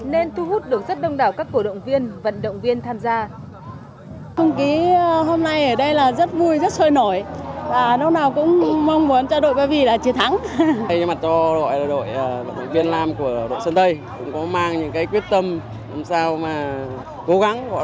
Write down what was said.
nên thu hút được rất đông đảo các cổ động viên vận động viên tham gia